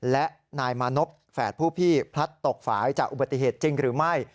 และนายมานพแฝดผู้พี่พลัดตกฝ่ายจากอุบัติเหตุจริงหรือไม่